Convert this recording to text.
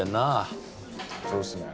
そうっすね。